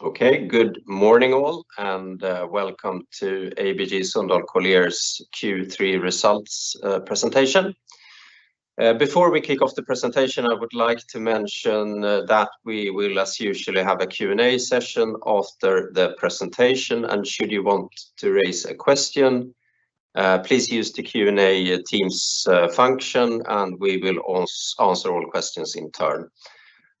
Okay, good morning all, and welcome to ABG Sundal Collier's Q3 Results Presentation. Before we kick off the presentation, I would like to mention that we will, as usual, have a Q&A session after the presentation, and should you want to raise a question, please use the Q&A Teams function, and we will answer all questions in turn.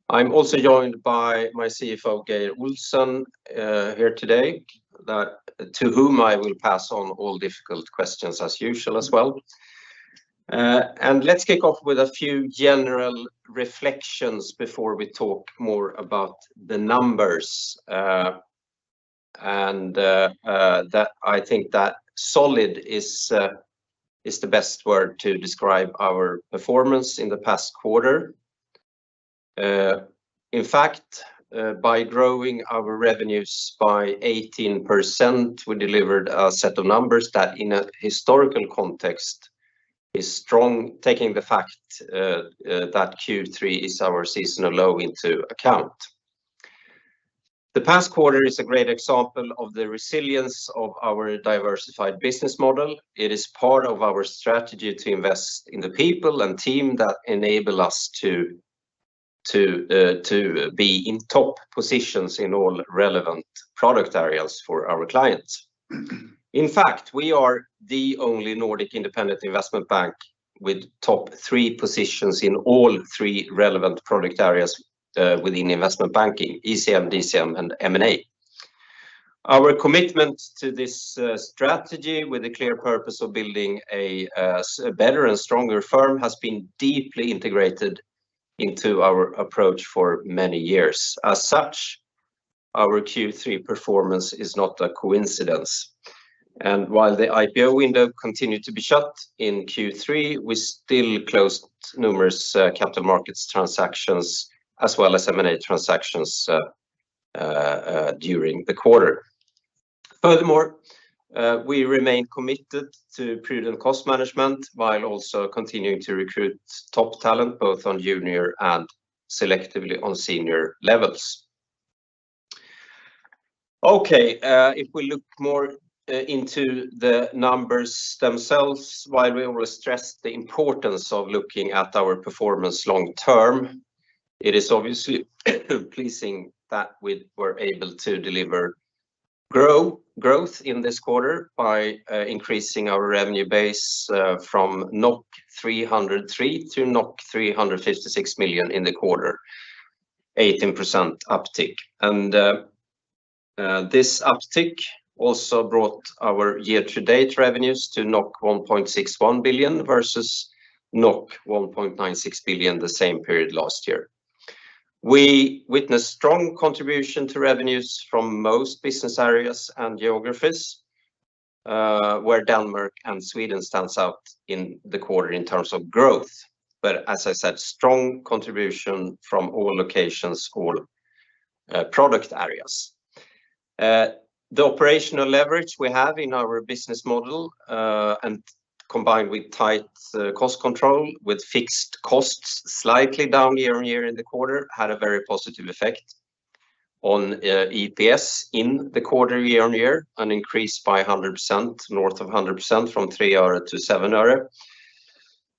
I'm also joined by my CFO, Geir Olsen, here today, to whom I will pass on all difficult questions as usual as well. Let's kick off with a few general reflections before we talk more about the numbers. I think solid is the best word to describe our performance in the past quarter. In fact, by growing our revenues by 18%, we delivered a set of numbers that, in a historical context, is strong, taking the fact that Q3 is our seasonal low into account. The past quarter is a great example of the resilience of our diversified business model. It is part of our strategy to invest in the people and team that enable us to be in top positions in all relevant product areas for our clients. In fact, we are the only Nordic independent investment bank with top three positions in all three relevant product areas within investment banking, ECM, DCM, and M&A. Our commitment to this strategy, with the clear purpose of building a better and stronger firm, has been deeply integrated into our approach for many years. As such, our Q3 performance is not a coincidence, and while the IPO window continued to be shut in Q3, we still closed numerous capital markets transactions as well as M&A transactions during the quarter. Furthermore, we remain committed to prudent cost management, while also continuing to recruit top talent, both on junior and selectively on senior levels. Okay, if we look more into the numbers themselves, while we always stress the importance of looking at our performance long term, it is obviously pleasing that we were able to deliver growth in this quarter by increasing our revenue base from 303 million-356 million NOK in the quarter, 18% uptick. This uptick also brought our year-to-date revenues to 1.61 billion, versus 1.96 billion the same period last year. We witnessed strong contribution to revenues from most business areas and geographies, where Denmark and Sweden stands out in the quarter in terms of growth. But as I said, strong contribution from all locations, all product areas. The operational leverage we have in our business model, and combined with tight cost control, with fixed costs slightly down year-on-year in the quarter, had a very positive effect on EPS in the quarter year-on-year, an increase by 100%, north of 100%, from 3 øre-7 øre.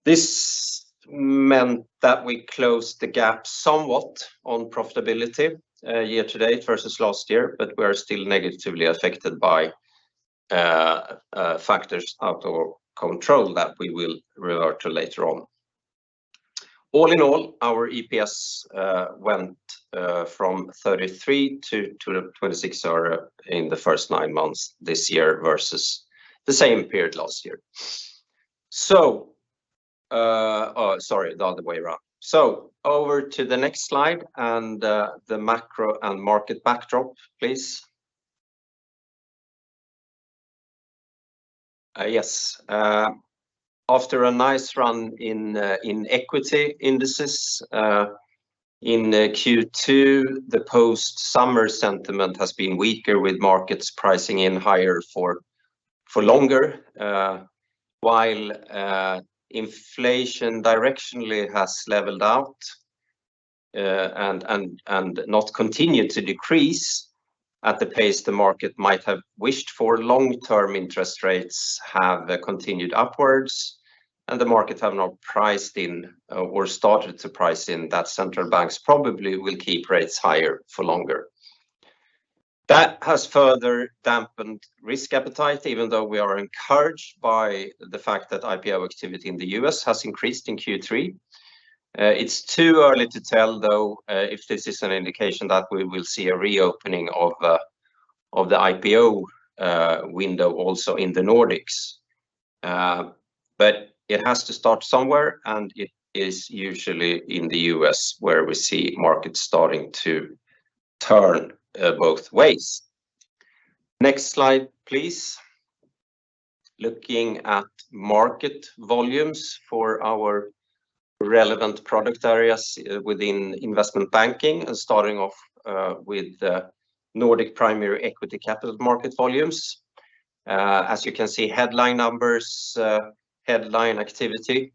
This meant that we closed the gap somewhat on profitability year to date versus last year, but we are still negatively affected by factors out of our control that we will revert to later on. All in all, our EPS went from 0.33-0.26 in the first nine months this year, versus the same period last year. So, oh, sorry, the other way around. So over to the next slide, and the macro and market backdrop, please. Yes, after a nice run in equity indices in Q2, the post-summer sentiment has been weaker, with markets pricing in higher for longer. While inflation directionally has leveled out and not continued to decrease at the pace the market might have wished for, long-term interest rates have continued upwards, and the markets have not priced in or started to price in that central banks probably will keep rates higher for longer. That has further dampened risk appetite, even though we are encouraged by the fact that IPO activity in the U.S. has increased in Q3. It's too early to tell, though, if this is an indication that we will see a reopening of the IPO window also in the Nordics. But it has to start somewhere, and it is usually in the U.S. where we see markets starting to turn both ways. Next slide, please. Looking at market volumes for our relevant product areas within investment banking, and starting off with the Nordic primary equity capital market volumes. As you can see, headline numbers, headline activity,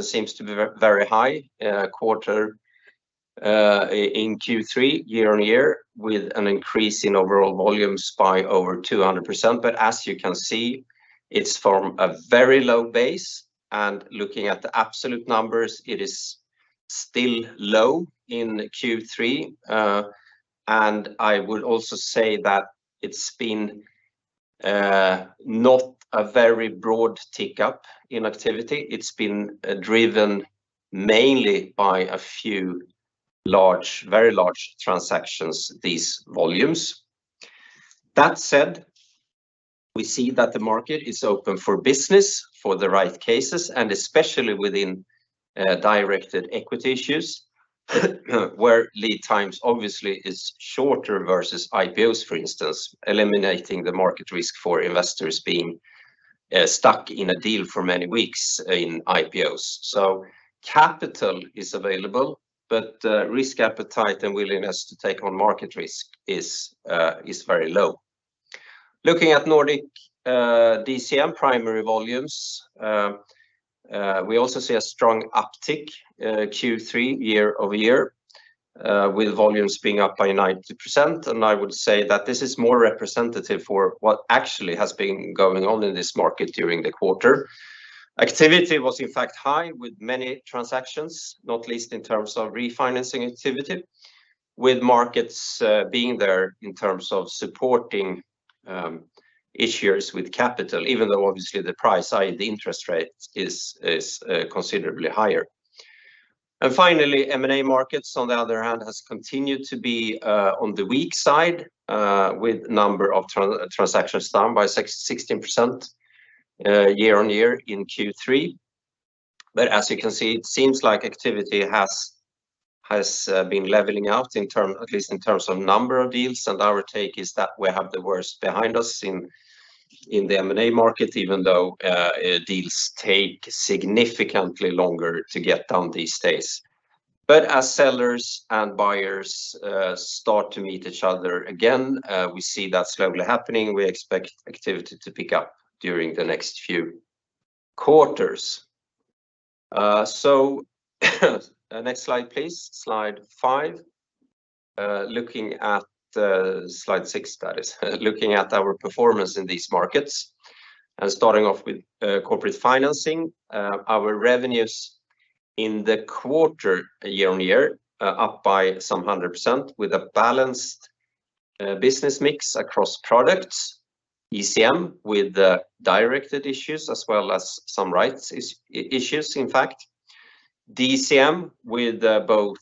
seems to be very high, quarter, in Q3, year-on-year, with an increase in overall volumes by over 200%. As you can see, it's from a very low base, and looking at the absolute numbers, it is still low in Q3. I would also say that it's been, not a very broad tick up in activity. It's been driven mainly by a few large, very large transactions, these volumes. That said, we see that the market is open for business for the right cases, and especially within directed equity issues, where lead times obviously is shorter versus IPOs, for instance, eliminating the market risk for investors being stuck in a deal for many weeks in IPOs. So capital is available, but risk appetite and willingness to take on market risk is very low. Looking at Nordic DCM primary volumes, we also see a strong uptick Q3 year-over-year with volumes being up by 90%, and I would say that this is more representative for what actually has been going on in this market during the quarter. Activity was, in fact, high, with many transactions, not least in terms of refinancing activity, with markets being there in terms of supporting issuers with capital, even though obviously the price side, the interest rate, is considerably higher. And finally, M&A markets, on the other hand, has continued to be on the weak side, with number of transactions down by 16%, year-on-year in Q3. But as you can see, it seems like activity has been leveling out in terms, at least in terms of number of deals. And our take is that we have the worst behind us in the M&A market, even though deals take significantly longer to get done these days. But as sellers and buyers start to meet each other again, we see that slowly happening, we expect activity to pick up during the next few quarters. So next slide, please. Slide five. Looking at slide six, that is. Looking at our performance in these markets, and starting off with corporate financing, our revenues in the quarter, year-on-year, are up by some 100% with a balanced business mix across products. ECM with directed issues as well as some rights issues, in fact. DCM with both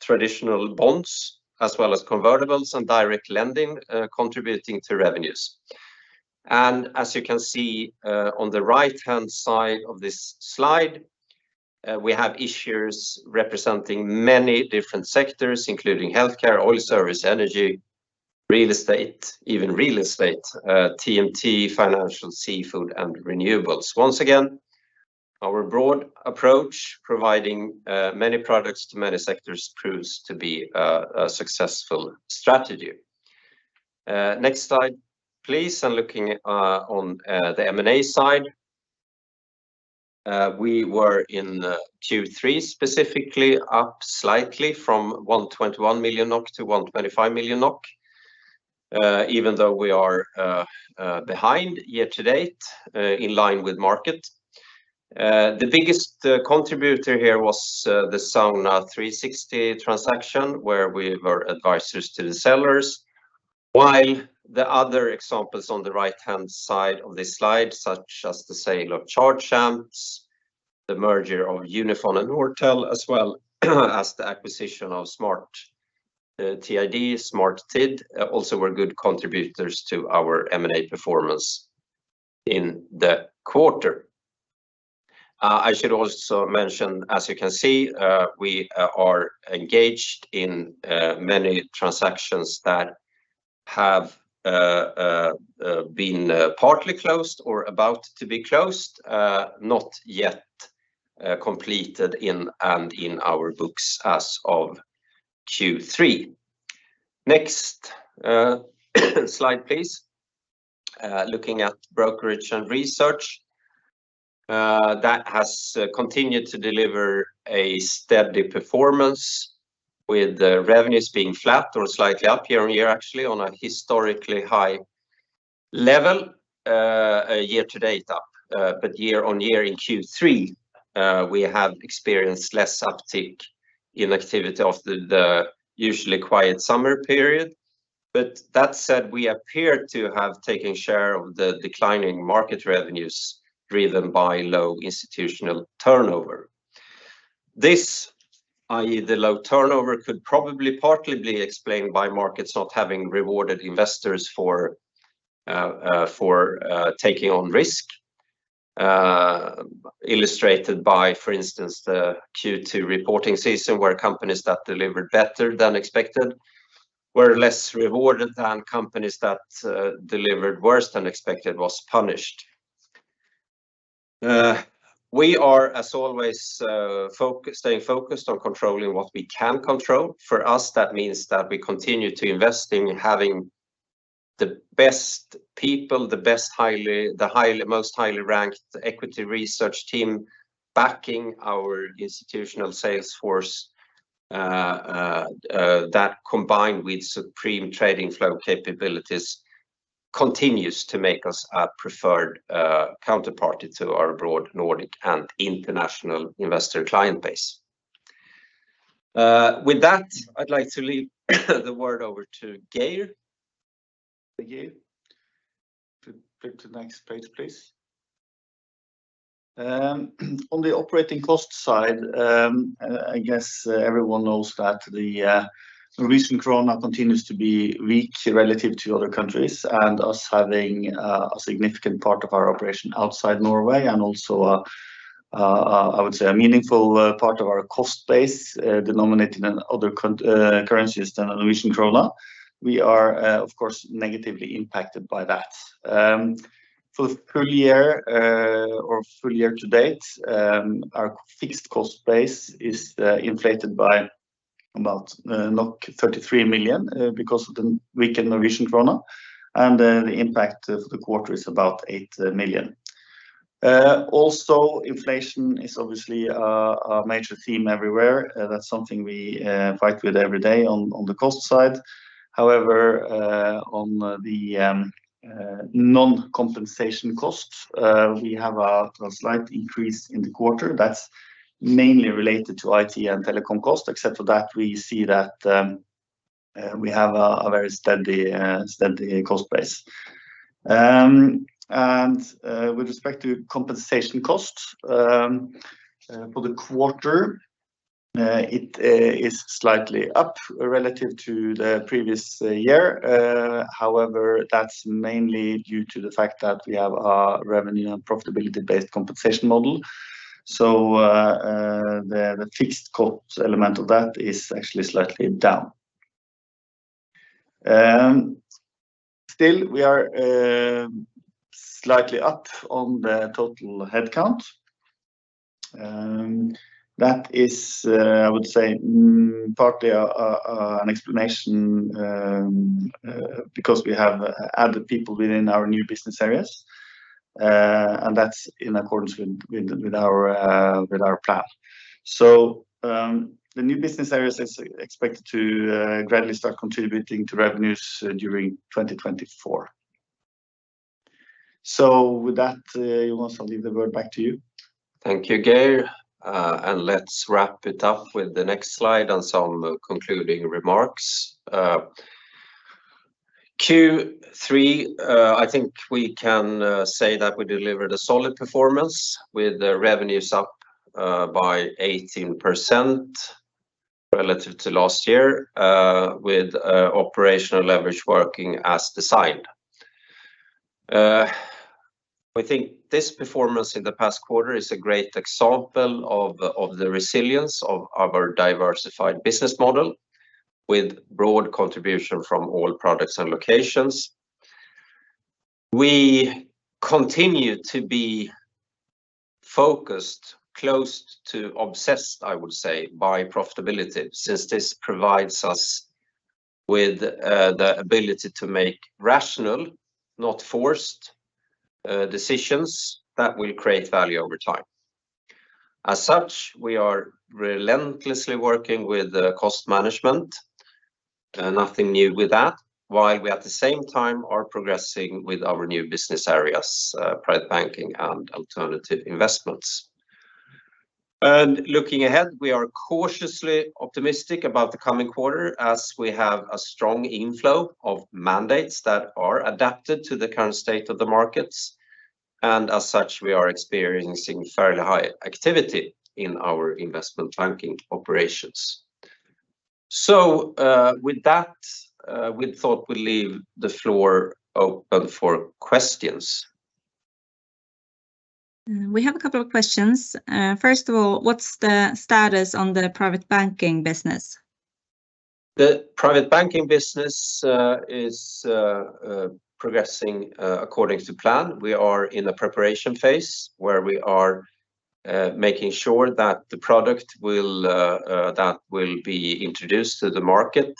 traditional bonds as well as convertibles and direct lending contributing to revenues. As you can see, on the right-hand side of this slide, we have issuers representing many different sectors, including healthcare, oil service, energy, real estate, even real estate, TMT, financial, seafood, and renewables. Once again, our broad approach, providing many products to many sectors, proves to be a successful strategy. Next slide, please. Looking on the M&A side, we were in Q3, specifically up slightly from 121 million-125 million NOK. Even though we are behind year to date, in line with market. The biggest contributor here was the Sauna360 transaction, where we were advisors to the sellers. While the other examples on the right-hand side of this slide, such as the sale of Charge Amps, the merger of Unifon and Nortel, as well as the acquisition of SmartTID, also were good contributors to our M&A performance in the quarter. I should also mention, as you can see, we are engaged in many transactions that have been partly closed or about to be closed, not yet completed in our books as of Q3. Next slide, please. Looking at Brokerage and Research, that has continued to deliver a steady performance, with revenues being flat or slightly up year-over-year, actually, on a historically high level, year to date up. But year-on-year in Q3, we have experienced less uptick in activity after the usually quiet summer period. But that said, we appear to have taken share of the declining market revenues, driven by low institutional turnover. This, i.e., the low turnover, could probably partly be explained by markets not having rewarded investors for taking on risk, illustrated by, for instance, the Q2 reporting season, where companies that delivered better than expected were less rewarded than companies that delivered worse than expected was punished. We are, as always, focused, staying focused on controlling what we can control. For us, that means that we continue to invest in having the best people, the most highly ranked equity research team backing our institutional sales force that combined with supreme trading flow capabilities, continues to make us a preferred counterparty to our broad Nordic and international investor client base. With that, I'd like to leave the word over to Geir. Thank you. Go to the next page, please. On the operating cost side, I guess everyone knows that the recent krone continues to be weak relative to other countries, and us having a significant part of our operation outside Norway and also, I would say a meaningful part of our cost base, denominated in other currencies than the Norwegian krone. We are, of course, negatively impacted by that. For full year or full year to date, our fixed cost base is inflated by about 33 million, because of the weakened Norwegian krone, and then the impact of the quarter is about 8 million. Also, inflation is obviously a major theme everywhere. That's something we fight with every day on the cost side. However, on the non-compensation costs, we have a slight increase in the quarter. That's mainly related to IT and telecom costs. Except for that, we see that we have a very steady cost base. And with respect to compensation costs, for the quarter, it is slightly up relative to the previous year. However, that's mainly due to the fact that we have a revenue and profitability-based compensation model. So, the fixed cost element of that is actually slightly down. Still, we are slightly up on the total headcount. That is, I would say, partly an explanation because we have added people within our new business areas, and that's in accordance with our plan. So, the new business areas is expected to gradually start contributing to revenues during 2024. So with that, Jonas, I'll leave the word back to you. Thank you, Geir. Let's wrap it up with the next slide and some concluding remarks. Q3, I think we can say that we delivered a solid performance, with revenues up by 18% relative to last year, with operational leverage working as designed. We think this performance in the past quarter is a great example of the resilience of our diversified business model, with broad contribution from all products and locations. We continue to be focused, close to obsessed, I would say, by profitability, since this provides us with the ability to make rational, not forced, decisions that will create value over time. As such, we are relentlessly working with the cost management, nothing new with that, while we at the same time are progressing with our new business areas, private banking and alternative investments. Looking ahead, we are cautiously optimistic about the coming quarter, as we have a strong inflow of mandates that are adapted to the current state of the markets, and as such, we are experiencing fairly high activity in our investment banking operations. With that, we thought we'd leave the floor open for questions. We have a couple of questions. First of all, what's the status on the Private Banking business? The Private Banking business is progressing according to plan. We are in a preparation phase, where we are making sure that the product that will be introduced to the market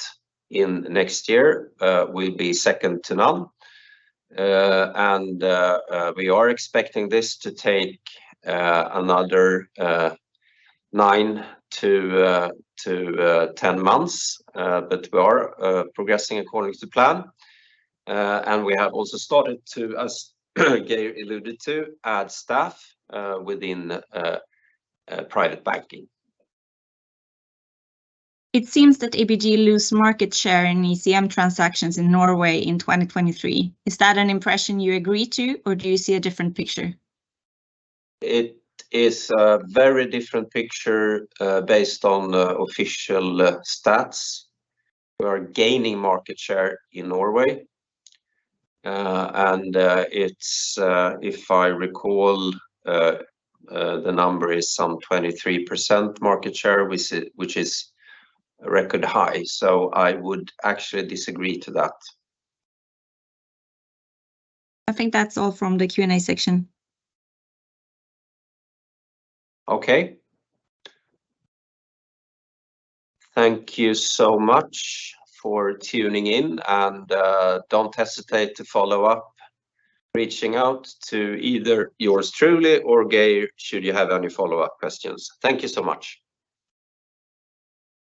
next year will be second to none. And we are expecting this to take another nine to 10 months. But we are progressing according to plan. And we have also started to, as Geir alluded to, add staff within Private Banking. It seems that ABG lose market share in ECM transactions in Norway in 2023. Is that an impression you agree to, or do you see a different picture? It is a very different picture, based on the official stats. We are gaining market share in Norway. And, it's, if I recall, the number is some 23% market share, which is, which is a record high, so I would actually disagree to that. I think that's all from the Q&A section. Okay. Thank you so much for tuning in, and don't hesitate to follow up, reaching out to either yours truly or Geir, should you have any follow-up questions. Thank you so much.